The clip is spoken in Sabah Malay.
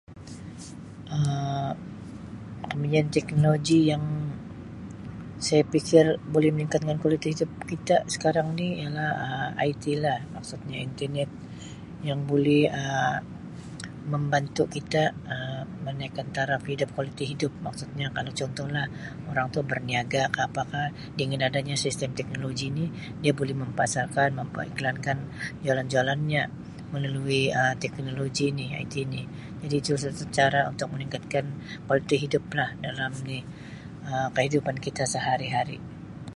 Um Kemajuan teknologi yang saya pikir boleh meningkatkan kualiti hidup kita sekarang ni ialah IT lah maksudnya internet yang bulih Um membantu kita Um menaikkan taraf hidup, kualiti hidup. Maksudnya kalau contohlah orang tu berniaga ka apakah dengan adanya sistem teknologi ni dia boleh mempasarkan, memperiklankan jualan-jualannya melalui Um teknologi ni IT ni, jadi tu salah satu cara untuk meningkatkan kualiti hidup dalam ni Um kehidupan kita sehari-hari.